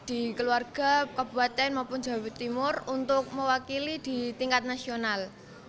di keluarga kabupaten maupun jawa timur untuk mewakili di tingkat nasional